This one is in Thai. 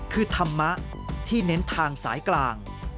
คือธรรมะที่เน้นทางสายกลาง